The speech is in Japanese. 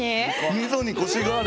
みそにコシがある。